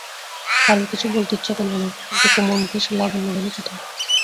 কালু কিছু বলতে ইচ্ছে করল না, কিন্তু কুমুর মুখের সে লাবণ্য গেল কোথায়?